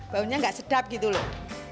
baunya nggak sedap gitu loh